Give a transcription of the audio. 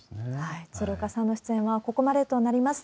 鶴岡さんの出演はここまでとなります。